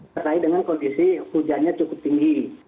terkait dengan kondisi hujannya cukup tinggi